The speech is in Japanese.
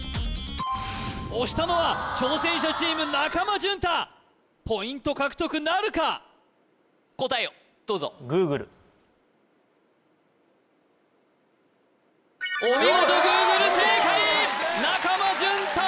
押したのは挑戦者チーム中間淳太ポイント獲得なるか答えをどうぞお見事Ｇｏｏｇｌｅ正解よし！